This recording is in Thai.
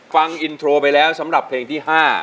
ฟังอินโทรไปแล้วสำหรับเพลงที่๕